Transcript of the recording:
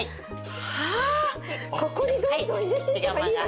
はあここにどんどん入れていけばいいわけでしょ？